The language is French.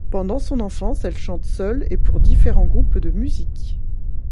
Pendant son enfance, elle chante seule et pour différents groupes de musique.